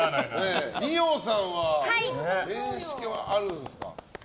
二葉さんは面識はあるんですか？